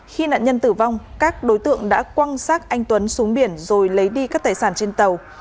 khi nạn nhân tử vong các đối tượng đã quan sát anh tuấn xuống biển rồi lấy đi các tài sản trên tàu